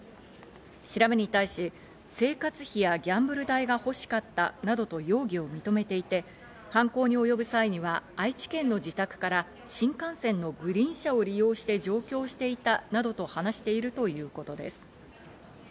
調べに対し、生活費やギャンブル代が欲しかったなどと容疑を認めていて、犯行に及ぶ際には愛知県の自宅から新幹線のグリーン車を利用して上京していたなどと話しているということです。